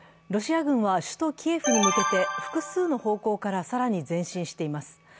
ロシア軍は首都キエフに向けて複数の方向から更に前進しています。